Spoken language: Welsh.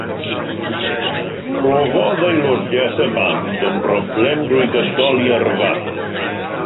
Profodd aelodaeth y band yn broblem drwy gydol ei yrfa.